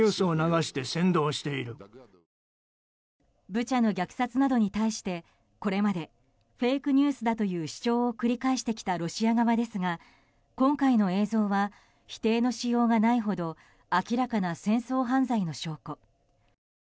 ブチャの虐殺などに対してこれまでフェイクニュースだという主張を繰り返してきたロシア側ですが今回の映像は否定のしようがないほど明らかな戦争犯罪の証拠。